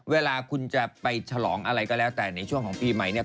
เวลาคุณจะไปฉลองอะไรก็แล้วแต่ในช่วงของปีใหม่เนี่ย